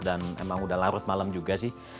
dan memang sudah larut malam juga sih